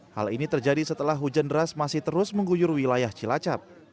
hal ini terjadi setelah hujan deras masih terus mengguyur wilayah cilacap